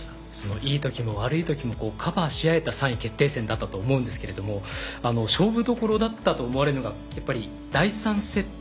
いいときも悪いときもカバーし合えた３位決定戦だったと思うんですけれども勝負どころだったと思われるのがやっぱり第３セット。